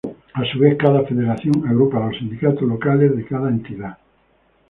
A su vez, cada Federación agrupa a los sindicatos locales de cada entidad.